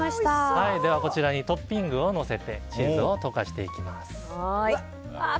こちらにトッピングをのせてチーズを溶かしていきます。